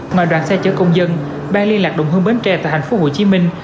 ngoài đoàn xe chở công dân ban liên lạc đồng hương bến tre tại thành phố hồ chí minh